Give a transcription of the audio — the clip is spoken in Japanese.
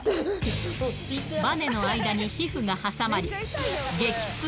ばねの間に皮膚が挟まり、激痛。